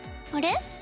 あれ？